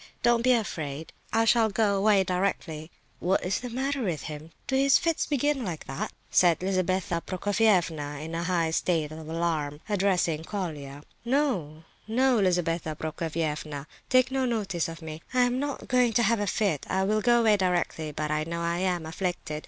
Don't be afraid; I shall go away directly." "What's the matter with him? Do his fits begin like that?" said Lizabetha Prokofievna, in a high state of alarm, addressing Colia. "No, no, Lizabetha Prokofievna, take no notice of me. I am not going to have a fit. I will go away directly; but I know I am afflicted.